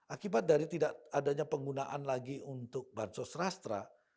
akibat dari tidak adanya penggunaan lagi untuk bansos rastra